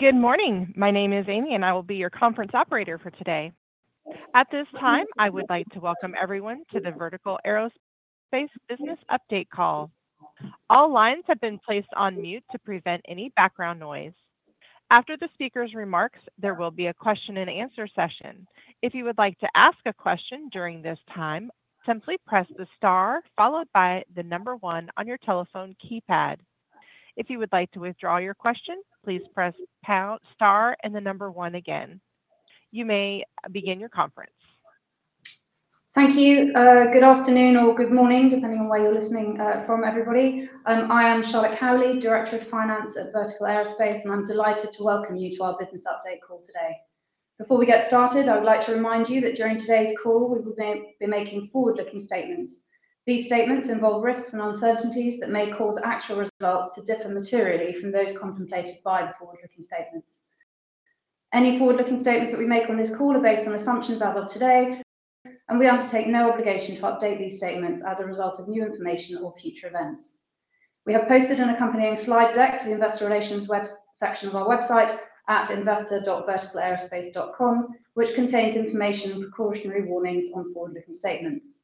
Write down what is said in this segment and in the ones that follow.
Good morning. My name is Amy, and I will be your conference operator for today. At this time, I would like to welcome everyone to the Vertical Aerospace Business Update call. All lines have been placed on mute to prevent any background noise. After the speaker's remarks, there will be a question-and-answer session. If you would like to ask a question during this time, simply press the star followed by the number one on your telephone keypad. If you would like to withdraw your question, please press star and the number one again. You may begin your conference. Thank you. Good afternoon or good morning, depending on where you're listening from, everybody. I am Charlotte Cowley, Director of Finance at Vertical Aerospace, and I'm delighted to welcome you to our business update call today. Before we get started, I would like to remind you that during today's call, we will be making forward-looking statements. These statements involve risks and uncertainties that may cause actual results to differ materially from those contemplated by the forward-looking statements. Any forward-looking statements that we make on this call are based on assumptions as of today, and we undertake no obligation to update these statements as a result of new information or future events. We have posted an accompanying slide deck to the Investor Relations web section of our website at investor.verticalaerospace.com, which contains information and precautionary warnings on forward-looking statements.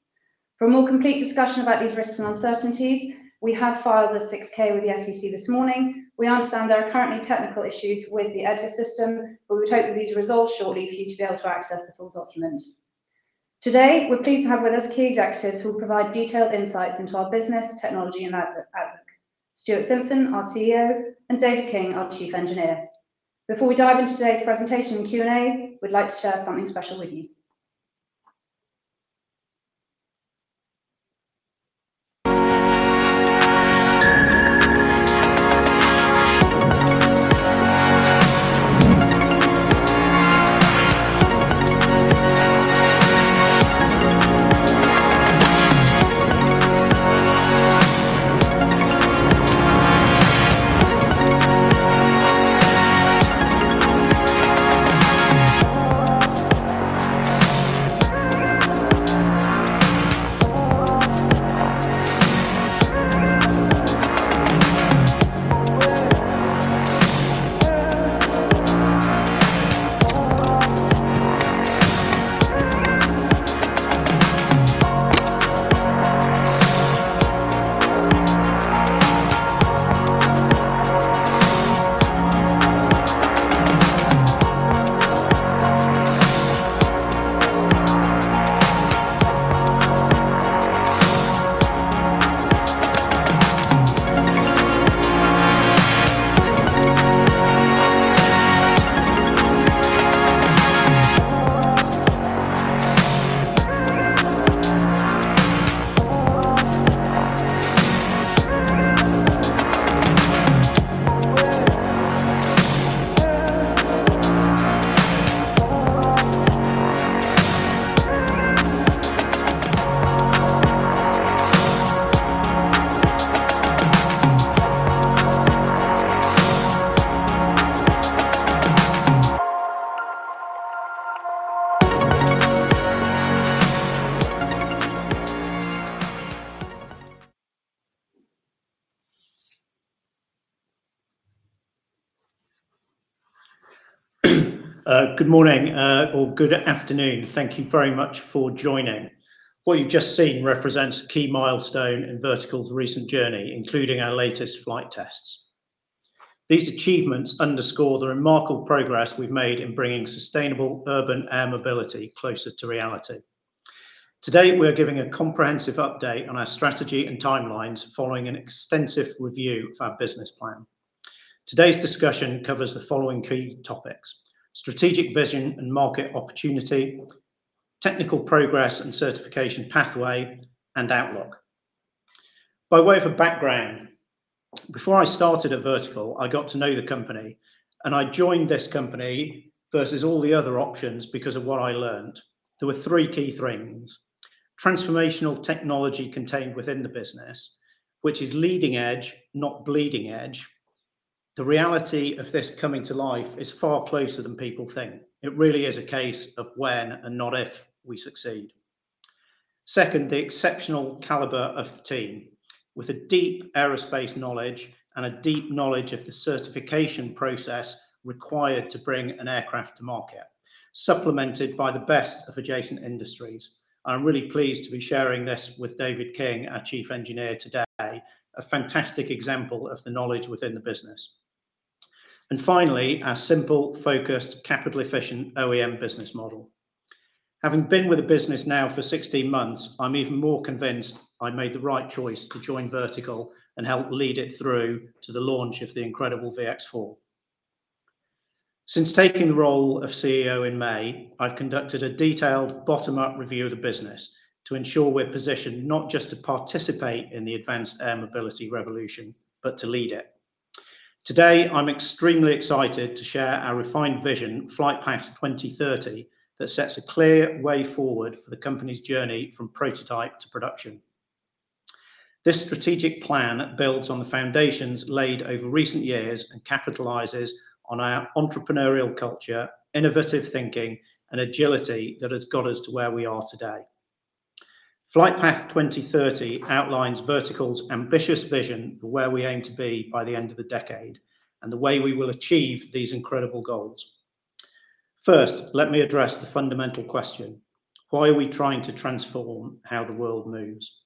For a more complete discussion about these risks and uncertainties, we have filed a 6-K with the SEC this morning. We understand there are currently technical issues with the EDGAR system, but we would hope that these are resolved shortly for you to be able to access the full document. Today, we're pleased to have with us key executives who will provide detailed insights into our business, technology, and outlook: Stuart Simpson, our CEO, and David King, our Chief Engineer. Before we dive into today's presentation and Q&A, we'd like to share something special with you. Good morning or good afternoon. Thank you very much for joining. What you've just seen represents a key milestone in Vertical's recent journey, including our latest flight tests. These achievements underscore the remarkable progress we've made in bringing sustainable urban air mobility closer to reality. Today, we're giving a comprehensive update on our strategy and timelines following an extensive review of our business plan. Today's discussion covers the following key topics: strategic vision and market opportunity, technical progress and certification pathway, and outlook. By way of a background, before I started at Vertical, I got to know the company, and I joined this company versus all the other options because of what I learned. There were three key things: transformational technology contained within the business, which is leading edge, not bleeding edge. The reality of this coming to life is far closer than people think. It really is a case of when and not if we succeed. Second, the exceptional caliber of team, with a deep aerospace knowledge and a deep knowledge of the certification process required to bring an aircraft to market, supplemented by the best of adjacent industries. I'm really pleased to be sharing this with David King, our Chief Engineer, today, a fantastic example of the knowledge within the business. And finally, our simple, focused, capital-efficient OEM business model. Having been with the business now for 16 months, I'm even more convinced I made the right choice to join Vertical and help lead it through to the launch of the incredible VX-4. Since taking the role of CEO in May, I've conducted a detailed bottom-up review of the business to ensure we're positioned not just to participate in the Advanced Air Mobility Revolution, but to lead it. Today, I'm extremely excited to share our refined vision, Flightpath 2030, that sets a clear way forward for the company's journey from prototype to production. This strategic plan builds on the foundations laid over recent years and capitalizes on our entrepreneurial culture, innovative thinking, and agility that has got us to where we are today. Flightpath 2030 outlines Vertical's ambitious vision for where we aim to be by the end of the decade and the way we will achieve these incredible goals. First, let me address the fundamental question: why are we trying to transform how the world moves?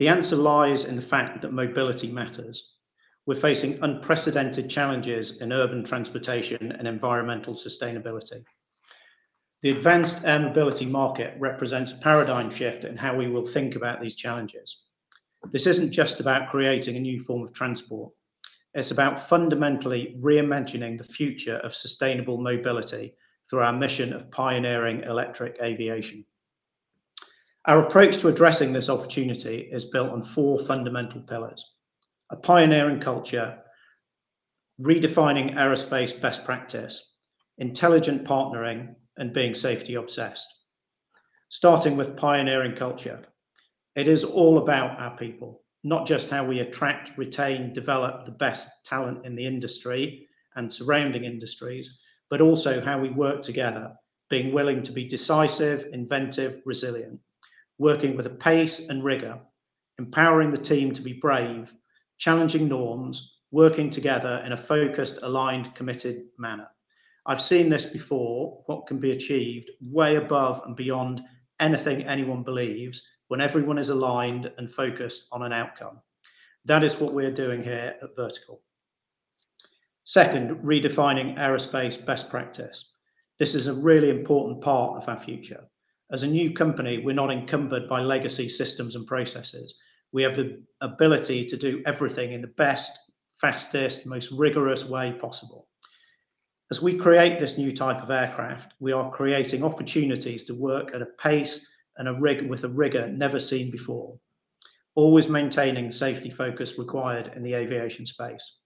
The answer lies in the fact that mobility matters. We're facing unprecedented challenges in urban transportation and environmental sustainability. The Advanced Air Mobility market represents a paradigm shift in how we will think about these challenges. This isn't just about creating a new form of transport. It's about fundamentally reimagining the future of sustainable mobility through our mission of pioneering electric aviation. Our approach to addressing this opportunity is built on four fundamental pillars: a pioneering culture, redefining aerospace best practice, intelligent partnering, and being safety-obsessed. Starting with pioneering culture, it is all about our people, not just how we attract, retain, develop the best talent in the industry and surrounding industries, but also how we work together, being willing to be decisive, inventive, resilient, working with a pace and rigor, empowering the team to be brave, challenging norms, working together in a focused, aligned, committed manner. I've seen this before: what can be achieved way above and beyond anything anyone believes when everyone is aligned and focused on an outcome. That is what we're doing here at Vertical. Second, redefining aerospace best practice. This is a really important part of our future. As a new company, we're not encumbered by legacy systems and processes. We have the ability to do everything in the best, fastest, most rigorous way possible. As we create this new type of aircraft, we are creating opportunities to work at a pace and with a rigor never seen before, always maintaining the safety focus required in the aviation space.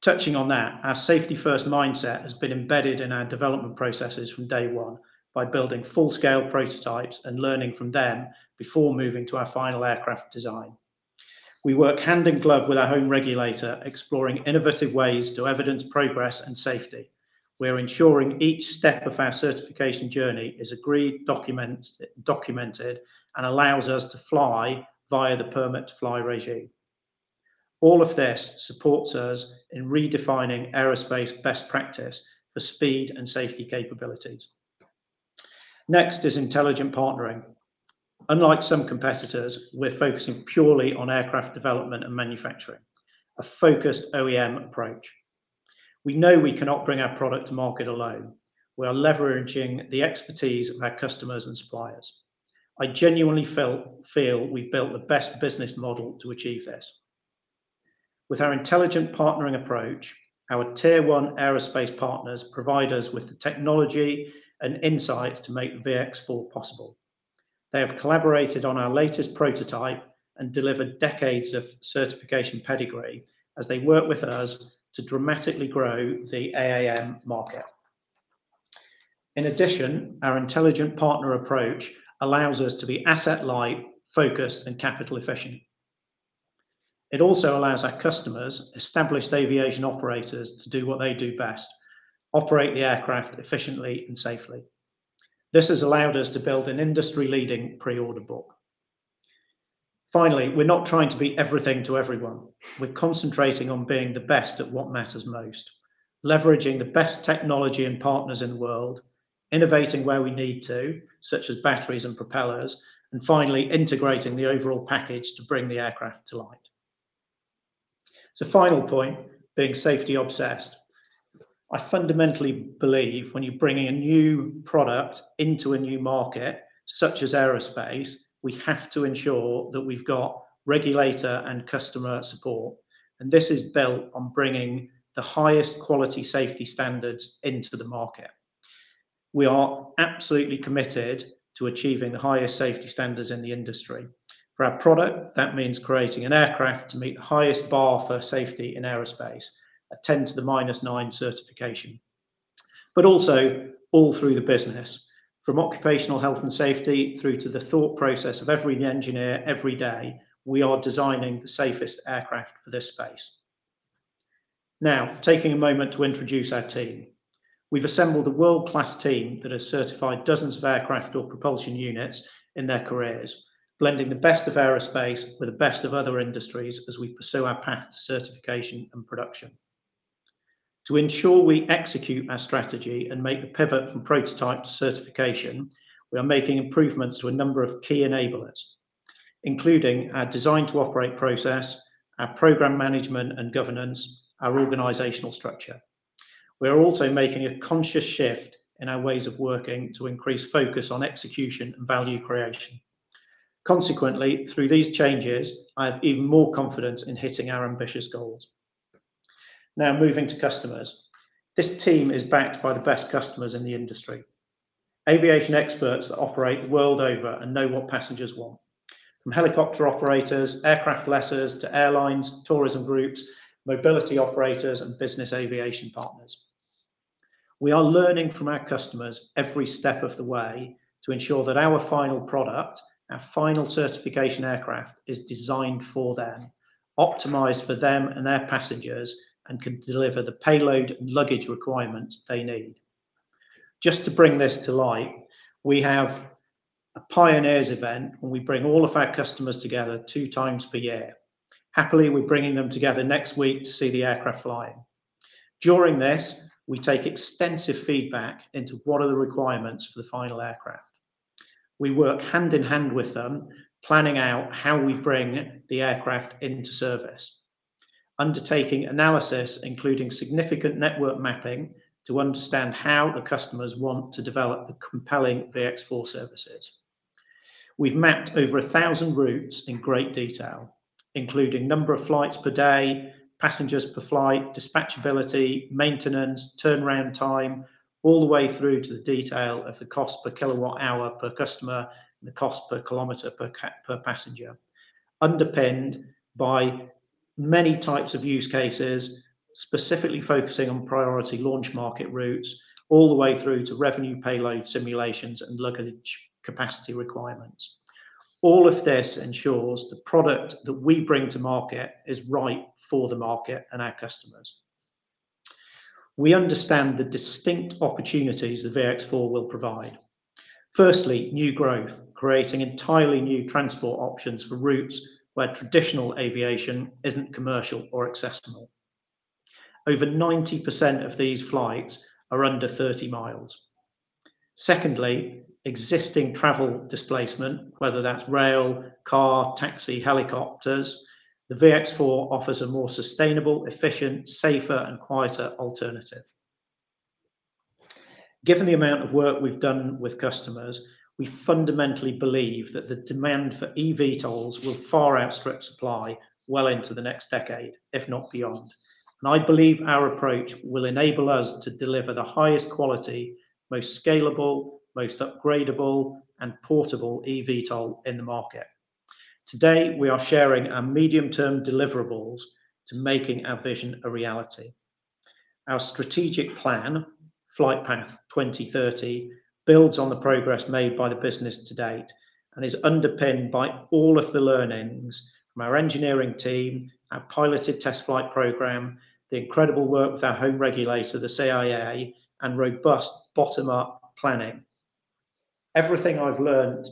Touching on that, our safety-first mindset has been embedded in our development processes from day one by building full-scale prototypes and learning from them before moving to our final aircraft design. We work hand in glove with our home regulator, exploring innovative ways to evidence progress and safety. We're ensuring each step of our certification journey is agreed, documented, and allows us to fly via the Permit to Fly regime. All of this supports us in redefining aerospace best practice for speed and safety capabilities. Next is intelligent partnering. Unlike some competitors, we're focusing purely on aircraft development and manufacturing, a focused OEM approach. We know we cannot bring our product to market alone. We are leveraging the expertise of our customers and suppliers. I genuinely feel we've built the best business model to achieve this. With our intelligent partnering approach, our tier-one aerospace partners provide us with the technology and insights to make the VX-4 possible. They have collaborated on our latest prototype and delivered decades of certification pedigree as they work with us to dramatically grow the AAM market. In addition, our intelligent partner approach allows us to be asset-light, focused, and capital-efficient. It also allows our customers, established aviation operators, to do what they do best: operate the aircraft efficiently and safely. This has allowed us to build an industry-leading pre-order book. Finally, we're not trying to be everything to everyone. We're concentrating on being the best at what matters most, leveraging the best technology and partners in the world, innovating where we need to, such as batteries and propellers, and finally integrating the overall package to bring the aircraft to light. The final point, being safety-obsessed, I fundamentally believe when you bring in a new product into a new market, such as aerospace, we have to ensure that we've got regulator and customer support, and this is built on bringing the highest quality safety standards into the market. We are absolutely committed to achieving the highest safety standards in the industry. For our product, that means creating an aircraft to meet the highest bar for safety in aerospace, a 10 to the minus 9 certification. But also, all through the business, from occupational health and safety through to the thought process of every engineer every day, we are designing the safest aircraft for this space. Now, taking a moment to introduce our team. We've assembled a world-class team that has certified dozens of aircraft or propulsion units in their careers, blending the best of aerospace with the best of other industries as we pursue our path to certification and production. To ensure we execute our strategy and make the pivot from prototype to certification, we are making improvements to a number of key enablers, including our design-to-operate process, our program management and governance, our organizational structure. We are also making a conscious shift in our ways of working to increase focus on execution and value creation. Consequently, through these changes, I have even more confidence in hitting our ambitious goals. Now, moving to customers. This team is backed by the best customers in the industry, aviation experts that operate world over and know what passengers want, from helicopter operators, aircraft lessors, to airlines, tourism groups, mobility operators, and business aviation partners. We are learning from our customers every step of the way to ensure that our final product, our final certification aircraft, is designed for them, optimized for them and their passengers, and can deliver the payload and luggage requirements they need. Just to bring this to light, we have a Pioneers event when we bring all of our customers together two times per year. Happily, we're bringing them together next week to see the aircraft flying. During this, we take extensive feedback into what are the requirements for the final aircraft. We work hand in hand with them, planning out how we bring the aircraft into service, undertaking analysis, including significant network mapping, to understand how the customers want to develop the compelling VX-4 services. We've mapped over 1,000 routes in great detail, including number of flights per day, passengers per flight, dispatchability, maintenance, turnaround time, all the way through to the detail of the cost per kilowatt-hour per customer and the cost per kilometer per passenger, underpinned by many types of use cases, specifically focusing on priority launch market routes, all the way through to revenue payload simulations and luggage capacity requirements. All of this ensures the product that we bring to market is right for the market and our customers. We understand the distinct opportunities the VX-4 will provide. Firstly, new growth, creating entirely new transport options for routes where traditional aviation isn't commercial or accessible. Over 90% of these flights are under 30 miles. Secondly, existing travel displacement, whether that's rail, car, taxi, helicopters, the VX-4 offers a more sustainable, efficient, safer, and quieter alternative. Given the amount of work we've done with customers, we fundamentally believe that the demand for eVTOLs will far outstrip supply well into the next decade, if not beyond, and I believe our approach will enable us to deliver the highest quality, most scalable, most upgradable, and portable eVTOL in the market. Today, we are sharing our medium-term deliverables to making our vision a reality. Our strategic plan, Flightpath 2030, builds on the progress made by the business to date and is underpinned by all of the learnings from our engineering team, our piloted test flight program, the incredible work with our home regulator, the CAA, and robust bottom-up planning. Everything I've learned,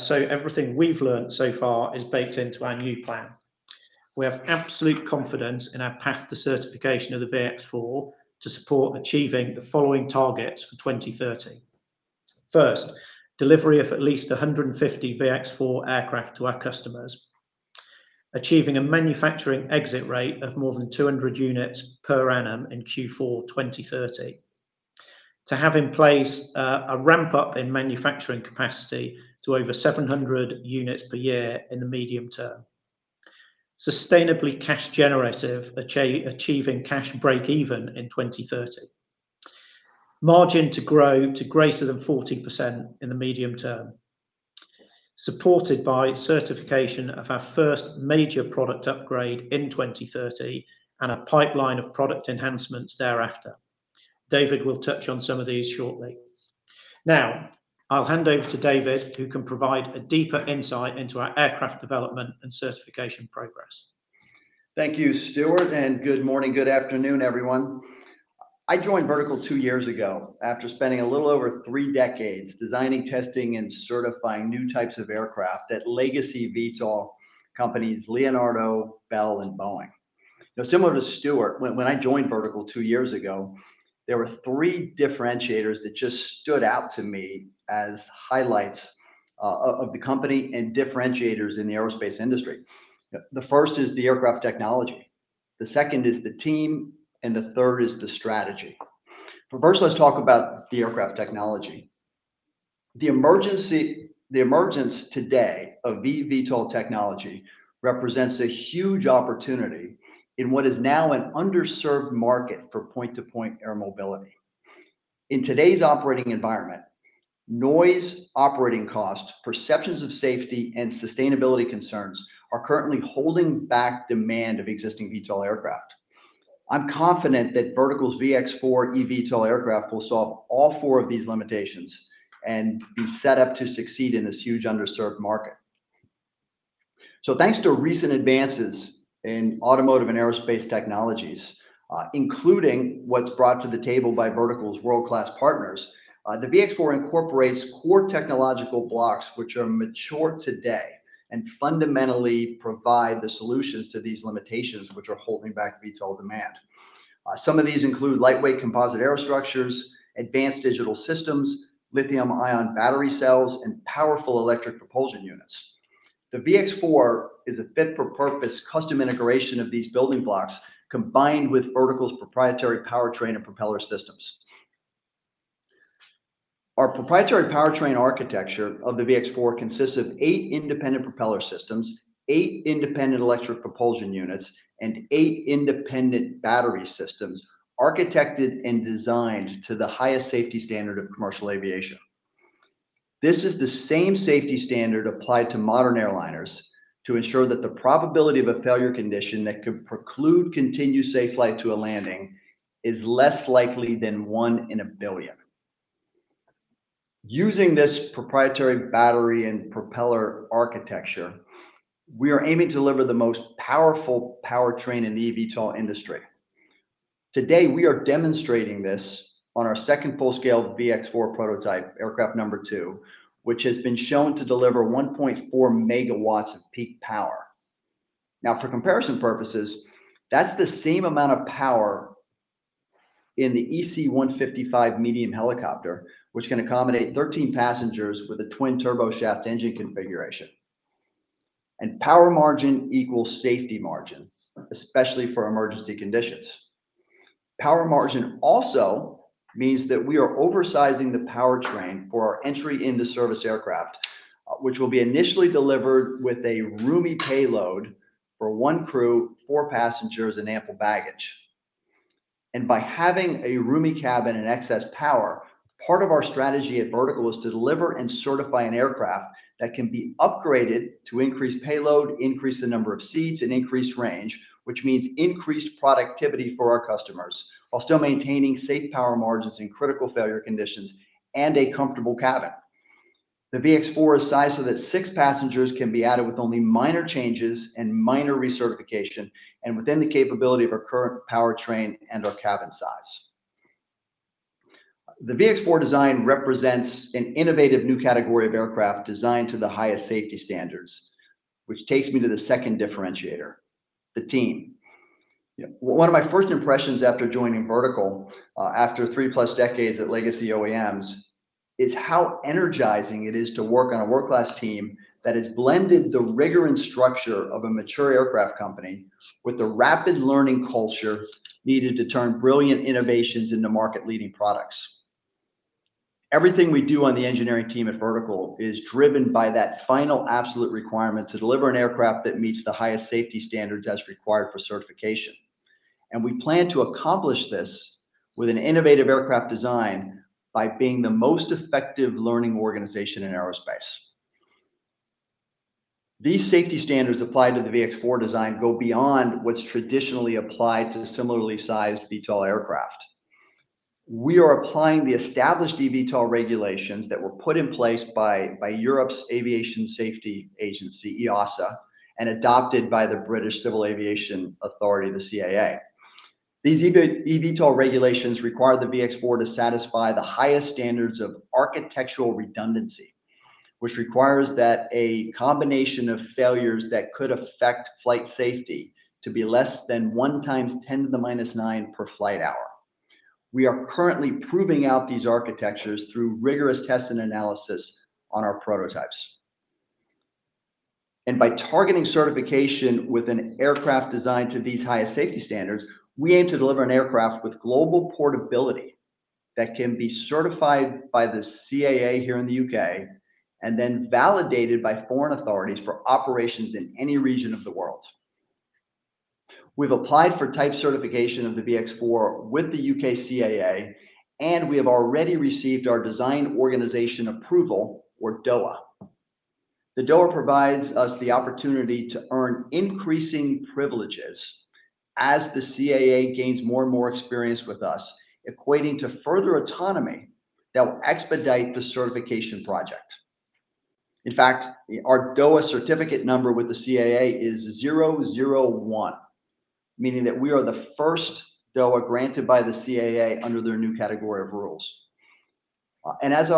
so everything we've learned so far, is baked into our new plan. We have absolute confidence in our path to certification of the VX-4 to support achieving the following targets for 2030. First, delivery of at least 150 VX-4 aircraft to our customers, achieving a manufacturing exit rate of more than 200 units per annum in Q4 2030, to have in place a ramp-up in manufacturing capacity to over 700 units per year in the medium term, sustainably cash-generative, achieving cash break-even in 2030, margin to grow to greater than 40% in the medium term, supported by certification of our first major product upgrade in 2030 and a pipeline of product enhancements thereafter. David will touch on some of these shortly. Now, I'll hand over to David, who can provide a deeper insight into our aircraft development and certification progress. Thank you, Stuart, and good morning, good afternoon, everyone. I joined Vertical two years ago after spending a little over three decades designing, testing, and certifying new types of aircraft at legacy VTOL companies Leonardo, Bell, and Boeing. Now, similar to Stuart, when I joined Vertical two years ago, there were three differentiators that just stood out to me as highlights of the company and differentiators in the aerospace industry. The first is the aircraft technology. The second is the team, and the third is the strategy. But first, let's talk about the aircraft technology. The emergence today of eVTOL technology represents a huge opportunity in what is now an underserved market for point-to-point air mobility. In today's operating environment, noise, operating costs, perceptions of safety, and sustainability concerns are currently holding back demand of existing VTOL aircraft. I'm confident that Vertical's VX-4 eVTOL aircraft will solve all four of these limitations and be set up to succeed in this huge underserved market. So thanks to recent advances in automotive and aerospace technologies, including what's brought to the table by Vertical's world-class partners, the VX-4 incorporates core technological blocks which are mature today and fundamentally provide the solutions to these limitations which are holding back VTOL demand. Some of these include lightweight composite air structures, advanced digital systems, lithium-ion battery cells, and powerful electric propulsion units. The VX-4 is a fit-for-purpose custom integration of these building blocks combined with Vertical's proprietary powertrain and propeller systems. Our proprietary powertrain architecture of the VX-4 consists of eight independent propeller systems, eight independent electric propulsion units, and eight independent battery systems architected and designed to the highest safety standard of commercial aviation. This is the same safety standard applied to modern airliners to ensure that the probability of a failure condition that could preclude continued safe flight to a landing is less likely than one in a billion. Using this proprietary battery and propeller architecture, we are aiming to deliver the most powerful powertrain in the eVTOL industry. Today, we are demonstrating this on our second full-scale VX-4 prototype, aircraft number two, which has been shown to deliver 1.4 megawatts of peak power. Now, for comparison purposes, that's the same amount of power in the EC155 medium helicopter, which can accommodate 13 passengers with a twin turboshaft engine configuration. And power margin equals safety margin, especially for emergency conditions. Power margin also means that we are oversizing the powertrain for our entry into service aircraft, which will be initially delivered with a roomy payload for one crew, four passengers, and ample baggage. And by having a roomy cabin and excess power, part of our strategy at Vertical is to deliver and certify an aircraft that can be upgraded to increase payload, increase the number of seats, and increase range, which means increased productivity for our customers while still maintaining safe power margins in critical failure conditions and a comfortable cabin. The VX-4 is sized so that six passengers can be added with only minor changes and minor recertification and within the capability of our current powertrain and our cabin size. The VX-4 design represents an innovative new category of aircraft designed to the highest safety standards, which takes me to the second differentiator, the team. One of my first impressions after joining Vertical, after three-plus decades at legacy OEMs, is how energizing it is to work on a world-class team that has blended the rigor and structure of a mature aircraft company with the rapid learning culture needed to turn brilliant innovations into market-leading products. Everything we do on the engineering team at Vertical is driven by that final absolute requirement to deliver an aircraft that meets the highest safety standards as required for certification. And we plan to accomplish this with an innovative aircraft design by being the most effective learning organization in aerospace. These safety standards applied to the VX-4 design go beyond what's traditionally applied to similarly sized VTOL aircraft. We are applying the established eVTOL regulations that were put in place by Europe's Aviation Safety Agency, EASA, and adopted by the British Civil Aviation Authority, the CAA. These eVTOL regulations require the VX-4 to satisfy the highest standards of architectural redundancy, which requires that a combination of failures that could affect flight safety to be less than 1 times 10 to the minus 9 per flight hour. We are currently proving out these architectures through rigorous tests and analysis on our prototypes. By targeting certification with an aircraft designed to these highest safety standards, we aim to deliver an aircraft with global portability that can be certified by the CAA here in the UK and then validated by foreign authorities for operations in any region of the world. We've applied for type certification of the VX-4 with the UK CAA, and we have already received our Design Organisation Approval, or DOA. The DOA provides us the opportunity to earn increasing privileges as the CAA gains more and more experience with us, equating to further autonomy that will expedite the certification project. In fact, our DOA certificate number with the CAA is 001, meaning that we are the first DOA granted by the CAA under their new category of rules. As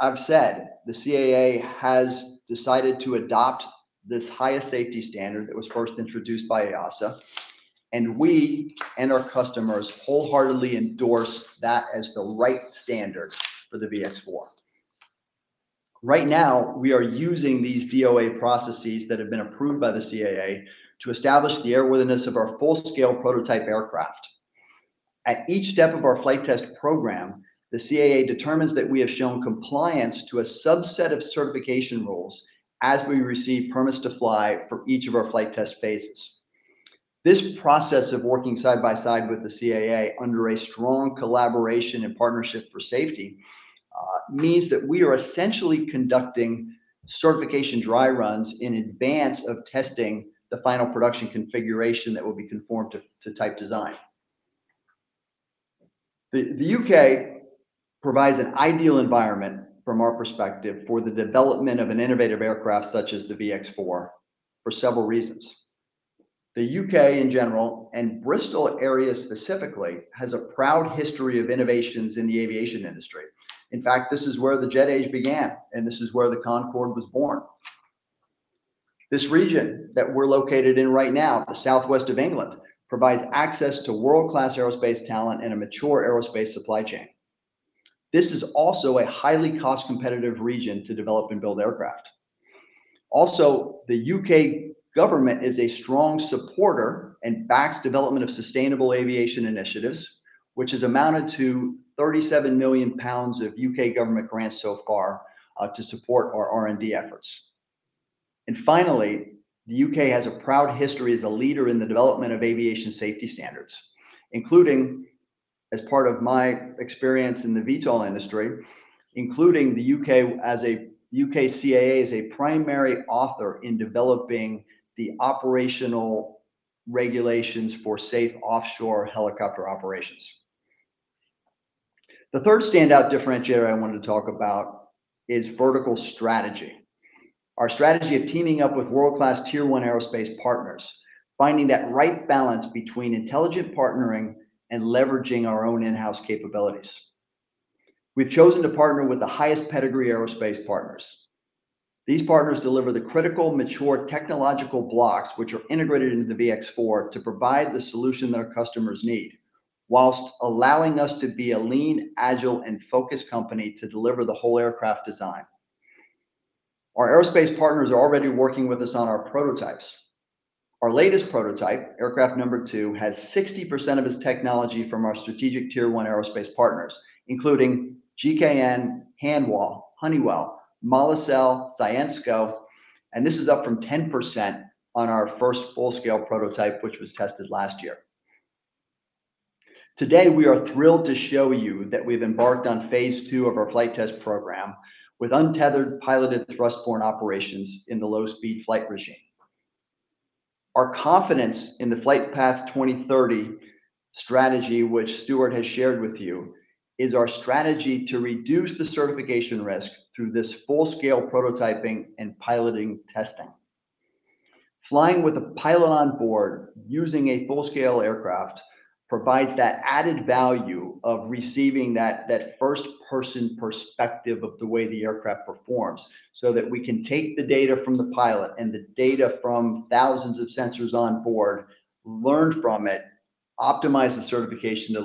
I've said, the CAA has decided to adopt this highest safety standard that was first introduced by EASA, and we and our customers wholeheartedly endorse that as the right standard for the VX-4. Right now, we are using these DOA processes that have been approved by the CAA to establish the airworthiness of our full-scale prototype aircraft. At each step of our flight test program, the CAA determines that we have shown compliance to a subset of certification rules as we receive permits to fly for each of our flight test phases. This process of working side by side with the CAA under a strong collaboration and partnership for safety means that we are essentially conducting certification dry runs in advance of testing the final production configuration that will be conformed to type design. The U.K. provides an ideal environment, from our perspective, for the development of an innovative aircraft such as the VX-4 for several reasons. The U.K. in general, and Bristol area specifically, has a proud history of innovations in the aviation industry. In fact, this is where the jet age began, and this is where the Concorde was born. This region that we're located in right now, the southwest of England, provides access to world-class aerospace talent and a mature aerospace supply chain. This is also a highly cost-competitive region to develop and build aircraft. Also, the UK government is a strong supporter and backs development of sustainable aviation initiatives, which has amounted to 37 million pounds of UK government grants so far to support our R&D efforts. And finally, the UK has a proud history as a leader in the development of aviation safety standards, including as part of my experience in the VTOL industry, including the UK CAA as a primary author in developing the operational regulations for safe offshore helicopter operations. The third standout differentiator I wanted to talk about is Vertical's strategy, our strategy of teaming up with world-class tier-one aerospace partners, finding that right balance between intelligent partnering and leveraging our own in-house capabilities. We've chosen to partner with the highest pedigree aerospace partners. These partners deliver the critical, mature technological blocks which are integrated into the VX-4 to provide the solution that our customers need, while allowing us to be a lean, agile, and focused company to deliver the whole aircraft design. Our aerospace partners are already working with us on our prototypes. Our latest prototype, aircraft number two, has 60% of its technology from our strategic tier-one aerospace partners, including GKN, Hanwha, Honeywell, Molicel, Syensqo, and this is up from 10% on our first full-scale prototype, which was tested last year. Today, we are thrilled to show you that we have embarked on phase two of our flight test program with untethered, piloted thrust-borne operations in the low-speed flight regime. Our confidence in the Flightpath 2030 strategy, which Stuart has shared with you, is our strategy to reduce the certification risk through this full-scale prototyping and piloting testing. Flying with a pilot on board using a full-scale aircraft provides that added value of receiving that first-person perspective of the way the aircraft performs so that we can take the data from the pilot and the data from thousands of sensors on board, learn from it, optimize the certification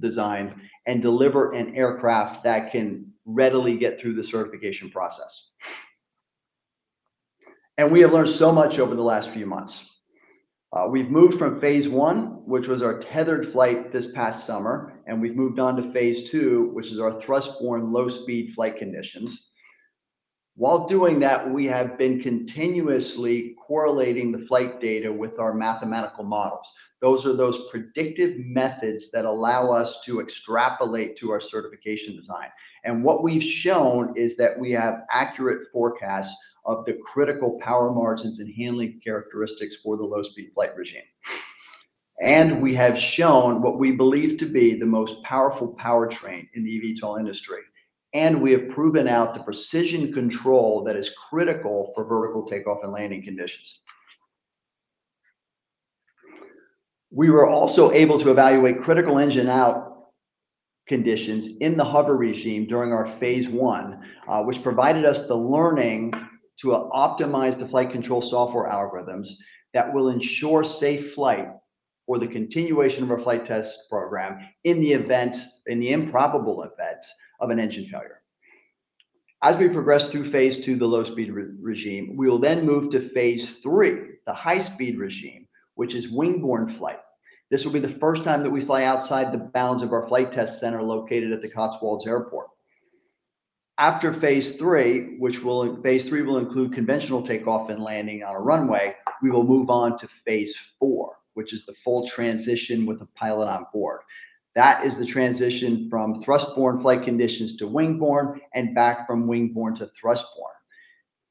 design, and deliver an aircraft that can readily get through the certification process. And we have learned so much over the last few months. We've moved from phase one, which was our tethered flight this past summer, and we've moved on to phase two, which is our thrust-borne low-speed flight conditions. While doing that, we have been continuously correlating the flight data with our mathematical models. Those are those predictive methods that allow us to extrapolate to our certification design. And what we've shown is that we have accurate forecasts of the critical power margins and handling characteristics for the low-speed flight regime. And we have shown what we believe to be the most powerful powertrain in the eVTOL industry. And we have proven out the precision control that is critical for vertical takeoff and landing conditions. We were also able to evaluate critical engine-out conditions in the hover regime during our phase one, which provided us the learning to optimize the flight control software algorithms that will ensure safe flight for the continuation of our flight test program in the improbable event of an engine failure. As we progress through phase two, the low-speed regime, we will then move to phase three, the high-speed regime, which is wing-borne flight. This will be the first time that we fly outside the bounds of our flight test center located at the Cotswold Airport. After phase three, which will include conventional takeoff and landing on a runway, we will move on to phase four, which is the full transition with a pilot on board. That is the transition from thrust-borne flight conditions to wing-borne and back from wing-borne to thrust-borne.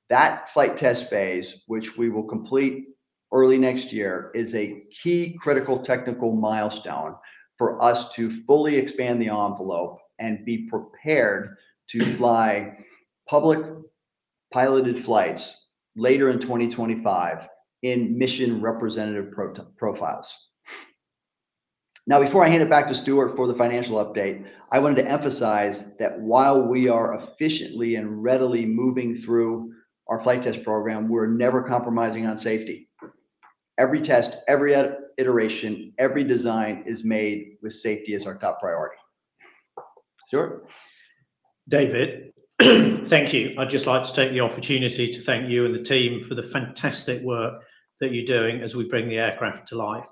That flight test phase, which we will complete early next year, is a key critical technical milestone for us to fully expand the envelope and be prepared to fly public piloted flights later in 2025 in mission representative profiles. Now, before I hand it back to Stuart for the financial update, I wanted to emphasize that while we are efficiently and readily moving through our flight test program, we're never compromising on safety. Every test, every iteration, every design is made with safety as our top priority. Stuart? David, thank you. I'd just like to take the opportunity to thank you and the team for the fantastic work that you're doing as we bring the aircraft to life,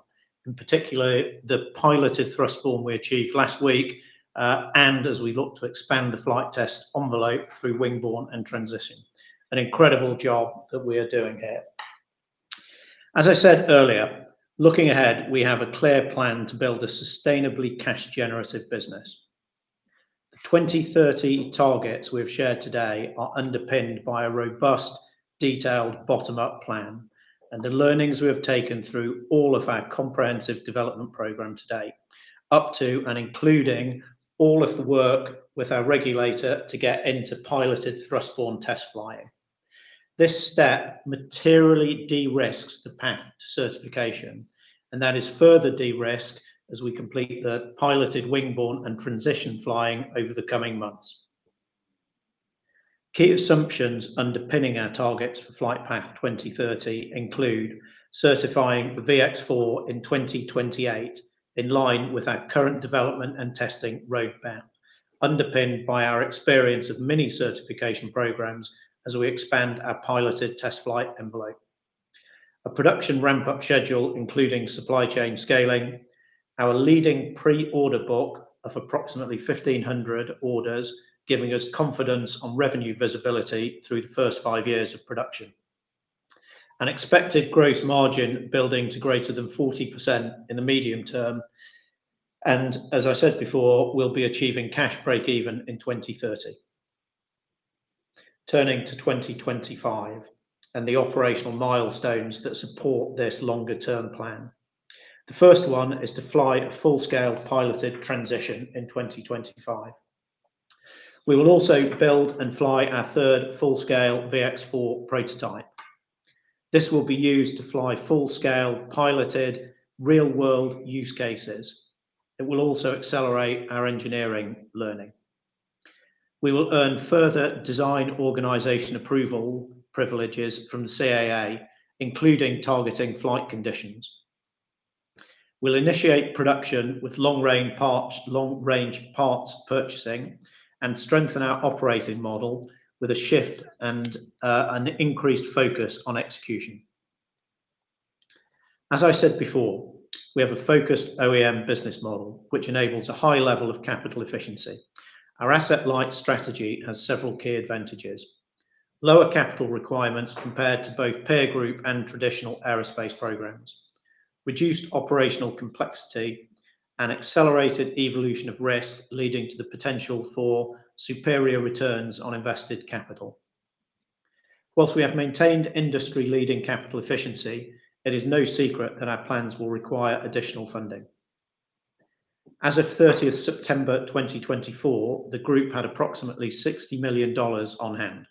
in particular the piloted thrust-borne we achieved last week and as we look to expand the flight test envelope through wing-borne and transition. An incredible job that we are doing here. As I said earlier, looking ahead, we have a clear plan to build a sustainably cash-generative business. The 2030 targets we have shared today are underpinned by a robust, detailed bottom-up plan and the learnings we have taken through all of our comprehensive development program today, up to and including all of the work with our regulator to get into piloted thrust-borne test flying. This step materially de-risks the path to certification, and that is further de-risked as we complete the piloted wing-borne and transition flying over the coming months. Key assumptions underpinning our targets for Flightpath 2030 include certifying the VX-4 in 2028 in line with our current development and testing roadmap, underpinned by our experience of many certification programs as we expand our piloted test flight envelope. A production ramp-up schedule, including supply chain scaling, our leading pre-order book of approximately 1,500 orders, giving us confidence on revenue visibility through the first five years of production. An expected gross margin building to greater than 40% in the medium term, and as I said before, we'll be achieving cash break-even in 2030. Turning to 2025 and the operational milestones that support this longer-term plan. The first one is to fly a full-scale piloted transition in 2025. We will also build and fly our third full-scale VX-4 prototype. This will be used to fly full-scale piloted real-world use cases. It will also accelerate our engineering learning. We will earn further Design Organisation Approval privileges from the CAA, including targeting flight conditions. We'll initiate production with long-range parts purchasing and strengthen our operating model with a shift and an increased focus on execution. As I said before, we have a focused OEM business model, which enables a high level of capital efficiency. Our asset-light strategy has several key advantages: lower capital requirements compared to both peer group and traditional aerospace programs, reduced operational complexity, and accelerated evolution of risk leading to the potential for superior returns on invested capital. While we have maintained industry-leading capital efficiency, it is no secret that our plans will require additional funding. As of 30 September 2024, the group had approximately $60 million on hand.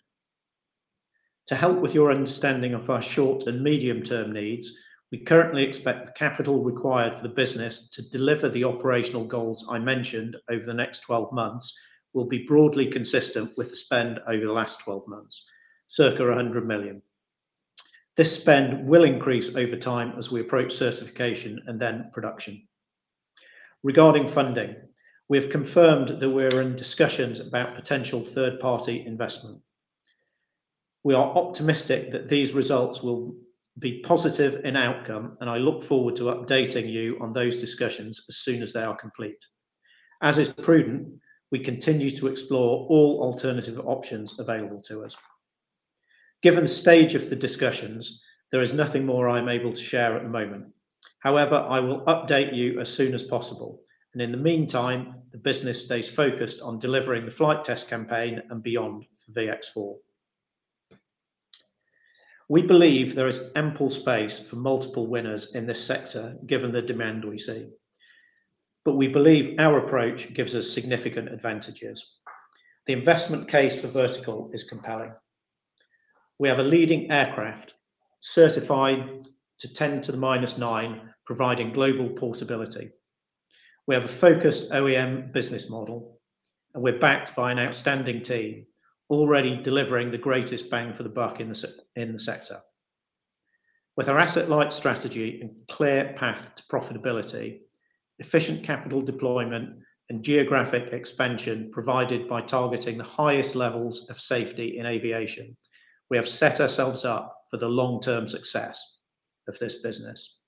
To help with your understanding of our short and medium-term needs, we currently expect the capital required for the business to deliver the operational goals I mentioned over the next 12 months will be broadly consistent with the spend over the last 12 months, circa $100 million. This spend will increase over time as we approach certification and then production. Regarding funding, we have confirmed that we are in discussions about potential third-party investment. We are optimistic that these results will be positive in outcome, and I look forward to updating you on those discussions as soon as they are complete. As is prudent, we continue to explore all alternative options available to us. Given the stage of the discussions, there is nothing more I'm able to share at the moment. However, I will update you as soon as possible, and in the meantime, the business stays focused on delivering the flight test campaign and beyond for VX-4. We believe there is ample space for multiple winners in this sector, given the demand we see, but we believe our approach gives us significant advantages. The investment case for Vertical is compelling. We have a leading aircraft certified to 10 to the minus 9, providing global portability. We have a focused OEM business model, and we're backed by an outstanding team already delivering the greatest bang for the buck in the sector. With our asset-light strategy and clear path to profitability, efficient capital deployment, and geographic expansion provided by targeting the highest levels of safety in aviation, we have set ourselves up for the long-term success of this business.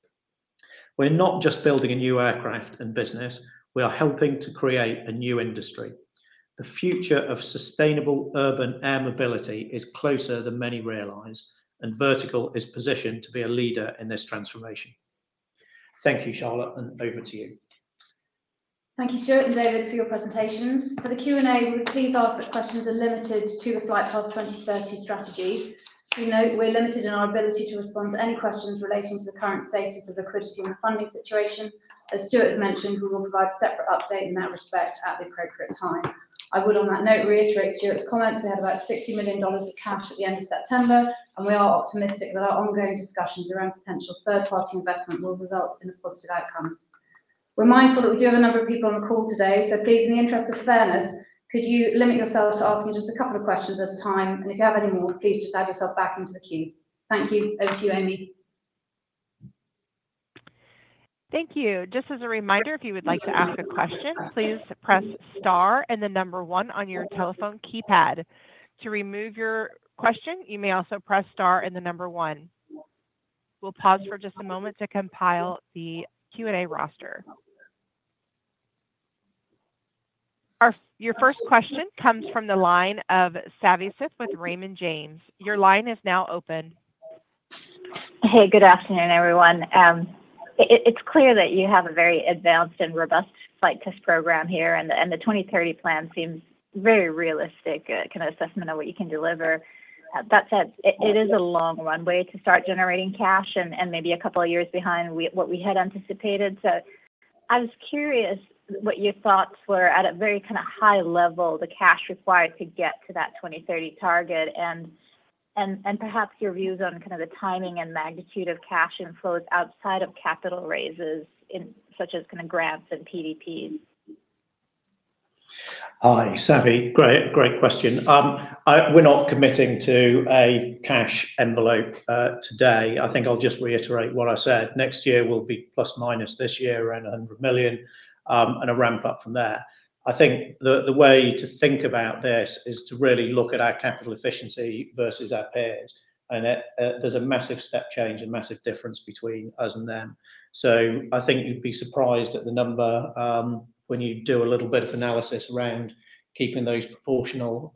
We're not just building a new aircraft and business. We are helping to create a new industry. The future of sustainable urban air mobility is closer than many realize, and Vertical is positioned to be a leader in this transformation. Thank you, Charlotte, and over to you. Thank you, Stuart and David, for your presentations. For the Q&A, we would please ask that questions are limited to the Flightpath 2030 strategy. We note we're limited in our ability to respond to any questions relating to the current status of liquidity and the funding situation. As Stuart has mentioned, we will provide a separate update in that respect at the appropriate time. I would, on that note, reiterate Stuart's comments. We had about $60 million of cash at the end of September, and we are optimistic that our ongoing discussions around potential third-party investment will result in a positive outcome. We're mindful that we do have a number of people on the call today, so please, in the interest of fairness, could you limit yourself to asking just a couple of questions at a time? And if you have any more, please just add yourself back into the queue. Thank you. Over to you, Amy. Thank you. Just as a reminder, if you would like to ask a question, please press star and the number one on your telephone keypad. To remove your question, you may also press star and the number one. We'll pause for just a moment to compile the Q&A roster. Your first question comes from the line of Savi Syth with Raymond James. Your line is now open. Hey, good afternoon, everyone. It's clear that you have a very advanced and robust flight test program here, and the 2030 plan seems very realistic, a kind of assessment of what you can deliver. That said, it is a long runway to start generating cash and maybe a couple of years behind what we had anticipated. So I was curious what your thoughts were. At a very kind of high level, the cash required to get to that 2030 target, and perhaps your views on kind of the timing and magnitude of cash inflows outside of capital raises, such as kind of grants and PDPs. Savi, great question. We're not committing to a cash envelope today. I think I'll just reiterate what I said. Next year will be plus minus this year around $100 million and a ramp-up from there. I think the way to think about this is to really look at our capital efficiency versus our peers. And there's a massive step change and massive difference between us and them. So I think you'd be surprised at the number when you do a little bit of analysis around keeping those proportional.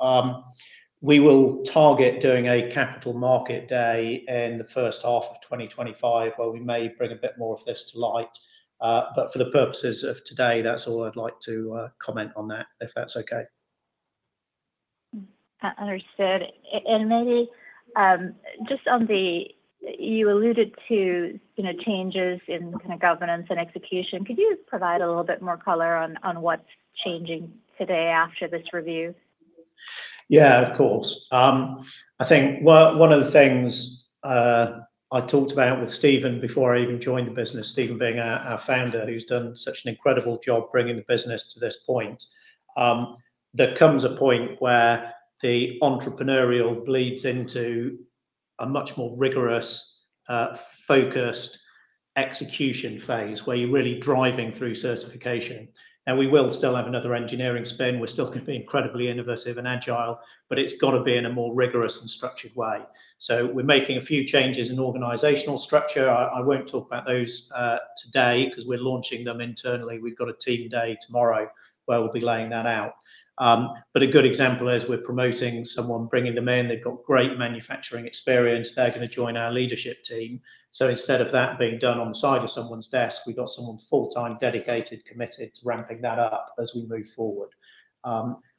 We will target doing a Capital Markets Day in the first half of 2025, where we may bring a bit more of this to light. But for the purposes of today, that's all I'd like to comment on that, if that's okay. Understood. And maybe just on the, you alluded to changes in kind of governance and execution. Could you provide a little bit more color on what's changing today after this review? Yeah, of course. I think one of the things I talked about with Stephen before I even joined the business, Stephen being our founder, who's done such an incredible job bringing the business to this point. There comes a point where the entrepreneurial bleeds into a much more rigorous, focused execution phase where you're really driving through certification. Now, we will still have another engineering spin. We're still going to be incredibly innovative and agile, but it's got to be in a more rigorous and structured way. So we're making a few changes in organizational structure. I won't talk about those today because we're launching them internally. We've got a team day tomorrow where we'll be laying that out. But a good example is we're promoting someone, bringing them in. They've got great manufacturing experience. They're going to join our leadership team. So instead of that being done on the side of someone's desk, we've got someone full-time, dedicated, committed to ramping that up as we move forward.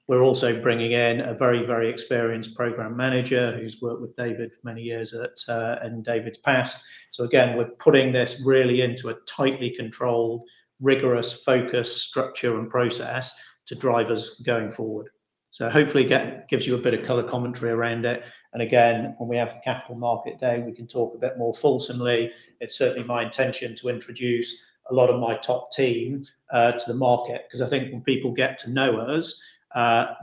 We're also bringing in a very, very experienced program manager who's worked with David for many years and David's past. So again, we're putting this really into a tightly controlled, rigorous, focused structure and process to drive us going forward. So hopefully, it gives you a bit of color commentary around it. And again, when we have a Capital Markets Day, we can talk a bit more fulsomely. It's certainly my intention to introduce a lot of my top team to the market because I think when people get to know us, they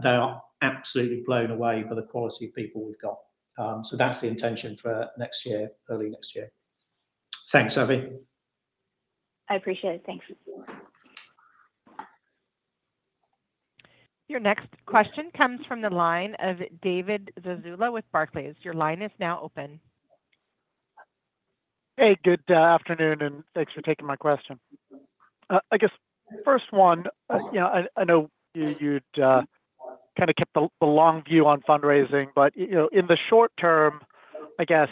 are absolutely blown away by the quality of people we've got. So that's the intention for early next year. Thanks, Savi. I appreciate it. Thanks. Your next question comes from the line of David Zazula with Barclays. Your line is now open. Hey, good afternoon, and thanks for taking my question. I guess first one, I know you'd kind of kept the long view on fundraising, but in the short term, I guess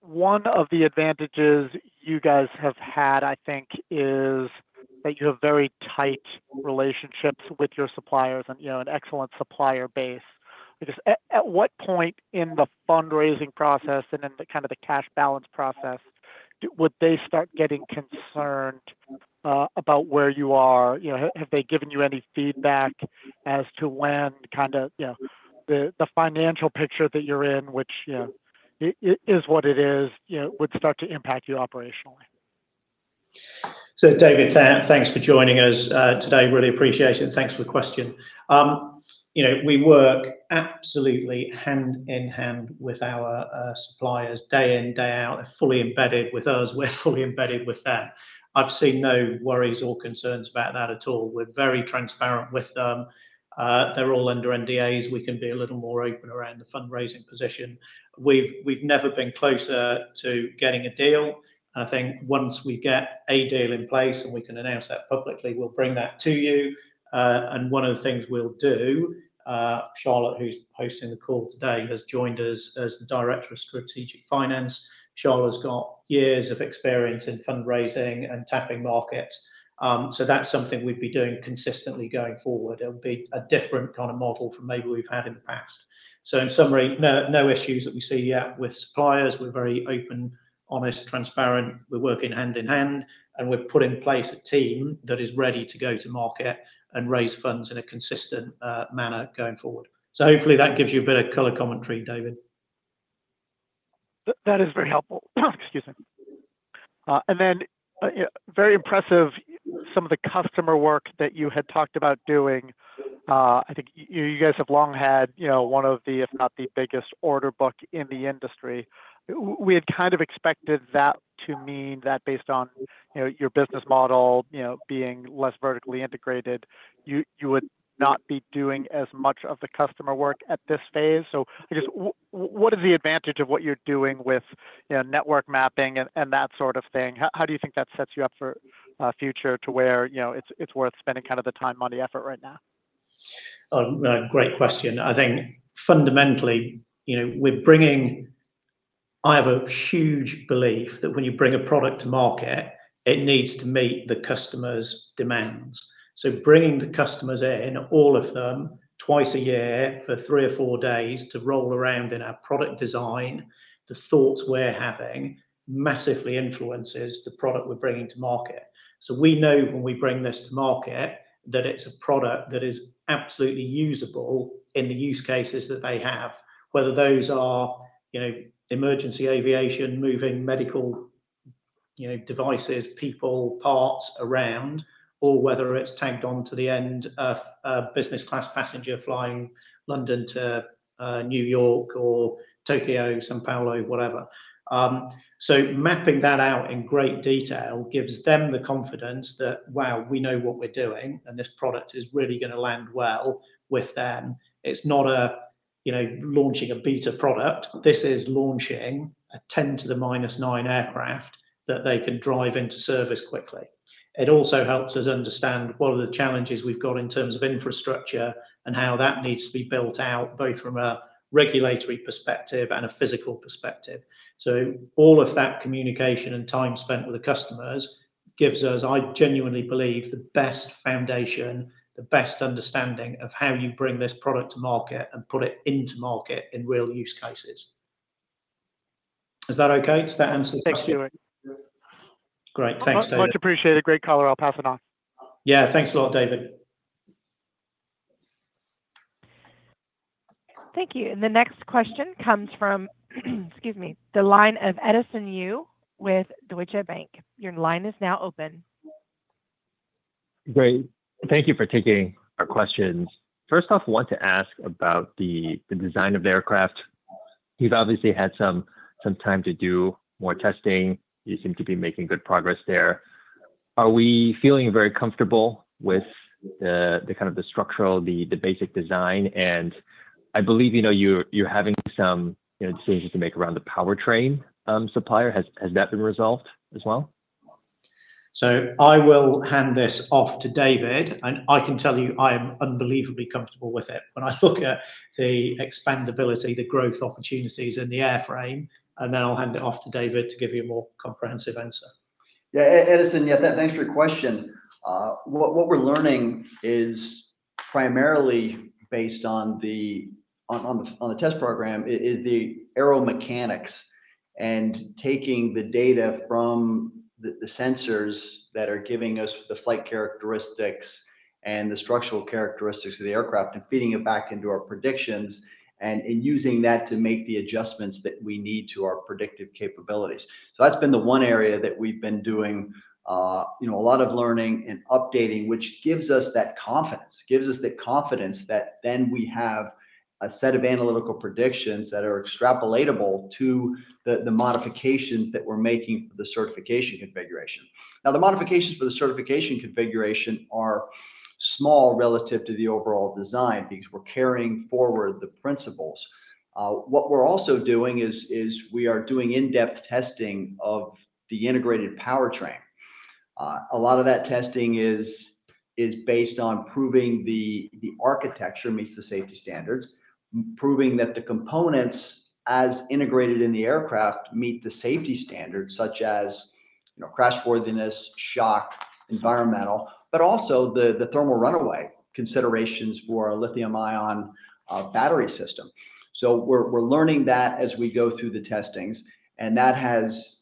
one of the advantages you guys have had, I think, is that you have very tight relationships with your suppliers and an excellent supplier base. At what point in the fundraising process and in kind of the cash balance process would they start getting concerned about where you are? Have they given you any feedback as to when kind of the financial picture that you're in, which is what it is, would start to impact you operationally? So David, thanks for joining us today. Really appreciate it. Thanks for the question. We work absolutely hand in hand with our suppliers day in, day out. They're fully embedded with us. We're fully embedded with them. I've seen no worries or concerns about that at all. We're very transparent with them. They're all under NDAs. We can be a little more open around the fundraising position. We've never been closer to getting a deal, and I think once we get a deal in place and we can announce that publicly, we'll bring that to you, and one of the things we'll do, Charlotte, who's hosting the call today, has joined us as the Director of Finance. Charlotte's got years of experience in fundraising and tapping markets, so that's something we'd be doing consistently going forward. It'll be a different kind of model from maybe we've had in the past, so in summary, no issues that we see yet with suppliers. We're very open, honest, transparent. We're working hand in hand. And we've put in place a team that is ready to go to market and raise funds in a consistent manner going forward. So hopefully, that gives you a bit of color commentary, David. That is very helpful. Excuse me. And then very impressive, some of the customer work that you had talked about doing. I think you guys have long had one of the, if not the biggest order book in the industry. We had kind of expected that to mean that based on your business model being less vertically integrated, you would not be doing as much of the customer work at this phase. So I guess, what is the advantage of what you're doing with network mapping and that sort of thing? How do you think that sets you up for a future to where it's worth spending kind of the time, money, effort right now? Great question. I think fundamentally, I have a huge belief that when you bring a product to market, it needs to meet the customer's demands. So bringing the customers in, all of them, twice a year for three or four days to roll around in our product design, the thoughts we're having massively influences the product we're bringing to market. So we know when we bring this to market that it's a product that is absolutely usable in the use cases that they have, whether those are emergency aviation, moving medical devices, people, parts around, or whether it's tagged on to the end of a business class passenger flying London to New York or Tokyo, São Paulo, whatever. So mapping that out in great detail gives them the confidence that, wow, we know what we're doing, and this product is really going to land well with them. It's not launching a beta product. This is launching a 10 to the minus 9 aircraft that they can drive into service quickly. It also helps us understand what are the challenges we've got in terms of infrastructure and how that needs to be built out both from a regulatory perspective and a physical perspective. So all of that communication and time spent with the customers gives us, I genuinely believe, the best foundation, the best understanding of how you bring this product to market and put it into market in real use cases. Is that okay? Does that answer the question? Thank you. Great. Thanks, David. Much appreciated. Great color. I'll pass it on. Yeah. Thanks a lot, David. Thank you. And the next question comes from, excuse me, the line of Edison Yu with Deutsche Bank. Your line is now open. Great. Thank you for taking our questions. First off, I want to ask about the design of the aircraft. You've obviously had some time to do more testing. You seem to be making good progress there. Are we feeling very comfortable with the kind of the structural, the basic design? And I believe you're having some decisions to make around the powertrain supplier. Has that been resolved as well? So I will hand this off to David. And I can tell you I am unbelievably comfortable with it. When I look at the expandability, the growth opportunities in the airframe, and then I'll hand it off to David to give you a more comprehensive answer. Yeah. Edison, yeah, thanks for your question. What we're learning is primarily based on the test program: the aeromechanics and taking the data from the sensors that are giving us the flight characteristics and the structural characteristics of the aircraft and feeding it back into our predictions and using that to make the adjustments that we need to our predictive capabilities. So that's been the one area that we've been doing a lot of learning and updating, which gives us that confidence. It gives us the confidence that then we have a set of analytical predictions that are extrapolatable to the modifications that we're making for the certification configuration. Now, the modifications for the certification configuration are small relative to the overall design because we're carrying forward the principles. What we're also doing is we are doing in-depth testing of the integrated powertrain. A lot of that testing is based on proving the architecture meets the safety standards, proving that the components as integrated in the aircraft meet the safety standards, such as crashworthiness, shock, environmental, but also the thermal runaway considerations for a lithium-ion battery system, so we're learning that as we go through the testings, and that has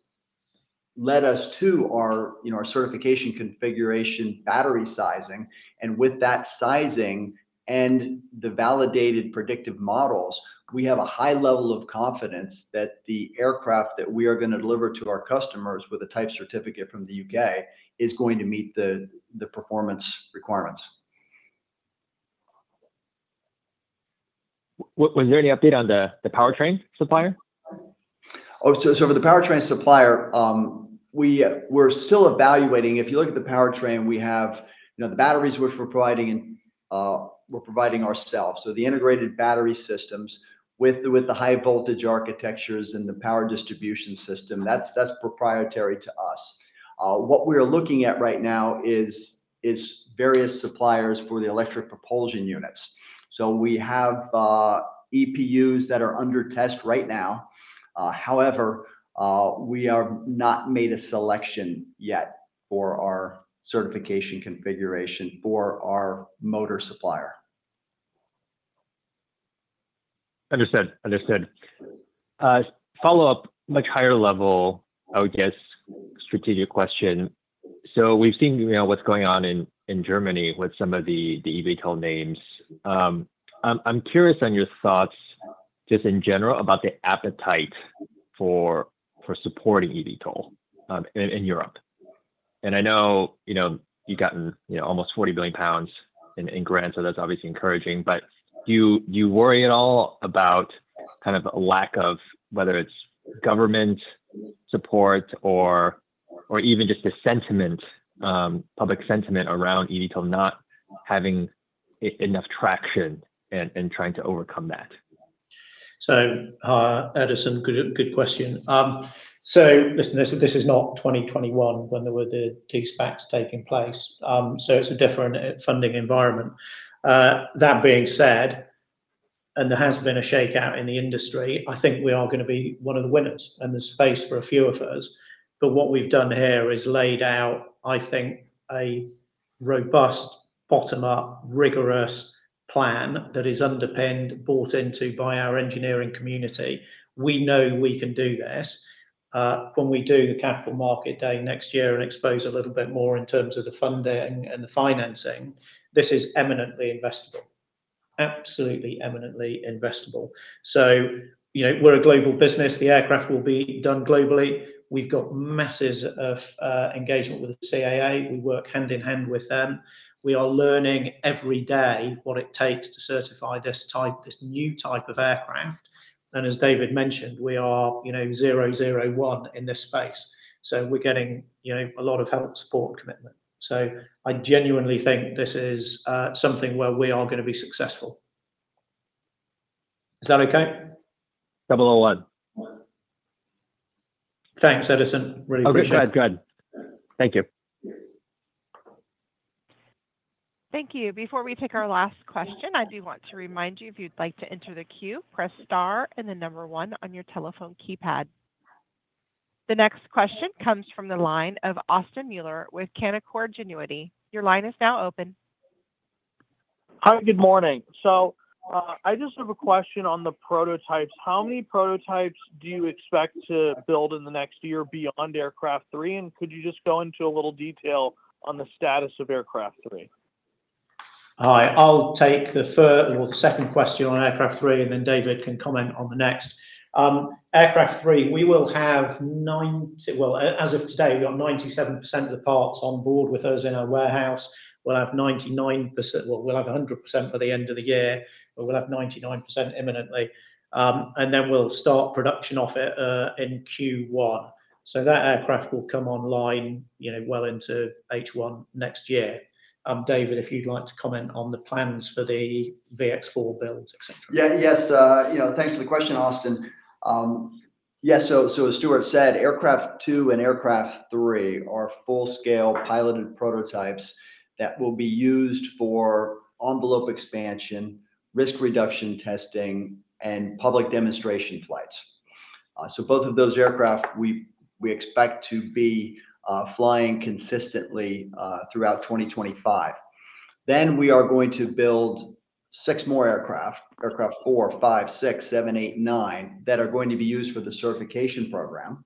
led us to our certification configuration battery sizing, and with that sizing and the validated predictive models, we have a high level of confidence that the aircraft that we are going to deliver to our customers with a type certificate from the U.K. is going to meet the performance requirements. Was there any update on the powertrain supplier? Oh, so for the powertrain supplier, we're still evaluating. If you look at the powertrain, we have the batteries which we're providing ourselves. The integrated battery systems with the high-voltage architectures and the power distribution system, that's proprietary to us. What we're looking at right now is various suppliers for the electric propulsion units. So we have EPUs that are under test right now. However, we have not made a selection yet for our certification configuration for our motor supplier. Understood. Understood. Follow-up, much higher level, I would guess, strategic question. We've seen what's going on in Germany with some of the eVTOL names. I'm curious on your thoughts just in general about the appetite for supporting eVTOL in Europe. And I know you've gotten almost 40 million pounds in grants. That's obviously encouraging. But do you worry at all about kind of a lack of whether it's government support or even just the public sentiment around eVTOL not having enough traction and trying to overcome that? Edison, good question. This is not 2021 when there were the two SPACs taking place. It's a different funding environment. That being said, and there has been a shakeout in the industry, I think we are going to be one of the winners. And there's space for a few of us. But what we've done here is laid out, I think, a robust, bottom-up, rigorous plan that is underpinned, bought into by our engineering community. We know we can do this. When we do the Capital Markets Day next year and expose a little bit more in terms of the funding and the financing, this is eminently investable. Absolutely eminently investable. We're a global business. The aircraft will be done globally. We've got masses of engagement with the CAA. We work hand in hand with them. We are learning every day what it takes to certify this new type of aircraft, and as David mentioned, we are #1 in this space, so we're getting a lot of help, support, and commitment, so I genuinely think this is something where we are going to be successful. Is that okay? Thanks, Edison. Really appreciate it. I'm glad. Thank you. Thank you. Before we take our last question, I do want to remind you, if you'd like to enter the queue, press star and the number one on your telephone keypad. The next question comes from the line of Austin Moeller with Canaccord Genuity. Your line is now open. Hi. Good morning, so I just have a question on the prototypes. How many prototypes do you expect to build in the next year beyond Aircraft 3? Could you just go into a little detail on the status of Aircraft 3? I'll take the second question on Aircraft 3, and then David can comment on the next. Aircraft 3, we will have 90 well, as of today, we've got 97% of the parts on board with us in our warehouse. We'll have 99% well, we'll have 100% by the end of the year. But we'll have 99% imminently. And then we'll start production off in Q1. So that aircraft will come online well into H1 next year. David, if you'd like to comment on the plans for the VX4 build, etc. Yeah. Yes. Thanks for the question, Austin. Yeah. So as Stuart said, Aircraft 2 and Aircraft 3 are full-scale piloted prototypes that will be used for envelope expansion, risk reduction testing, and public demonstration flights. So both of those aircraft, we expect to be flying consistently throughout 2025. Then we are going to build six more aircraft, Aircraft 4, 5, 6, 7, 8, 9, that are going to be used for the certification program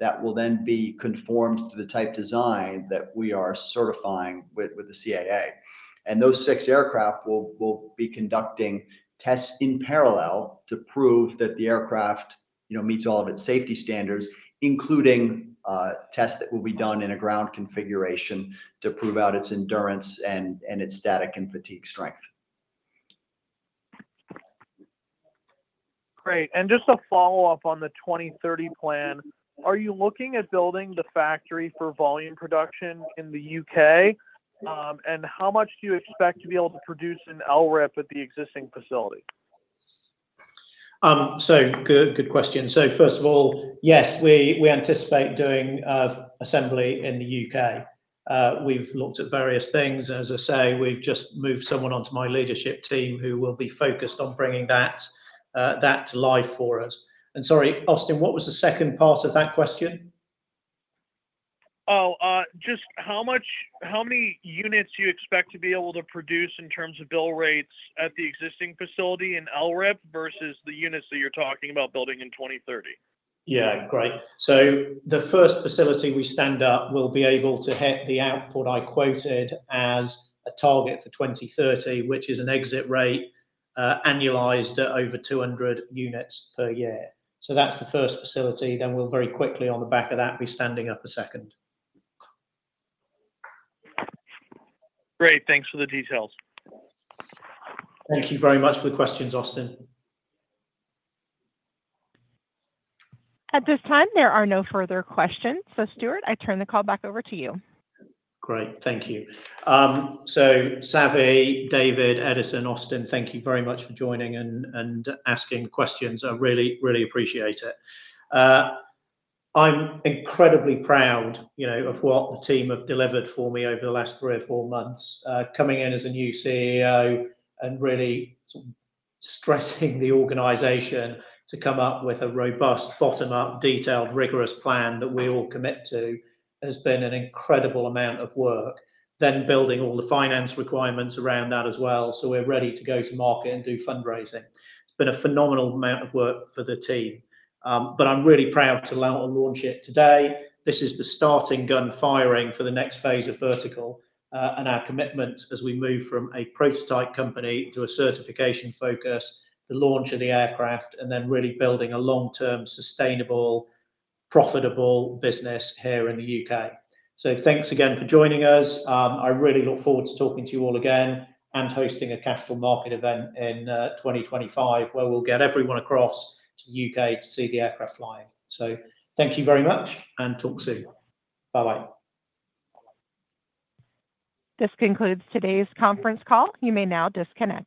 that will then be conformed to the type design that we are certifying with the CAA. And those six aircraft will be conducting tests in parallel to prove that the aircraft meets all of its safety standards, including tests that will be done in a ground configuration to prove out its endurance and its static and fatigue strength. Great. And just a follow-up on the 2030 plan. Are you looking at building the factory for volume production in the UK? And how much do you expect to be able to produce in Bristol at the existing facility? So good question. So first of all, yes, we anticipate doing assembly in the UK. We've looked at various things. And as I say, we've just moved someone onto my leadership team who will be focused on bringing that to life for us. And sorry, Austin, what was the second part of that question? Oh, just how many units do you expect to be able to produce in terms of build rates at the existing facility in Bristol versus the units that you're talking about building in 2030? Yeah. Great. So the first facility we stand up will be able to hit the output I quoted as a target for 2030, which is an exit rate annualized at over 200 units per year. So that's the first facility. Then we'll very quickly, on the back of that, be standing up a second. Great. Thanks for the details. Thank you very much for the questions, Austin. At this time, there are no further questions. So Stuart, I turn the call back over to you. Great. Thank you. So Savi, David, Edison, Austin, thank you very much for joining and asking questions. I really, really appreciate it. I'm incredibly proud of what the team have delivered for me over the last three or four months, coming in as a new CEO and really stressing the organization to come up with a robust, bottom-up, detailed, rigorous plan that we all commit to has been an incredible amount of work, then building all the finance requirements around that as well so we're ready to go to market and do fundraising. It's been a phenomenal amount of work for the team. But I'm really proud to launch it today. This is the starting gun firing for the next phase of Vertical and our commitments as we move from a prototype company to a certification focus, the launch of the aircraft, and then really building a long-term, sustainable, profitable business here in the UK. So thanks again for joining us. I really look forward to talking to you all again and hosting a Capital Market event in 2025 where we'll get everyone across to the UK to see the aircraft flying. So thank you very much and talk soon. Bye-bye. This concludes today's conference call. You may now disconnect.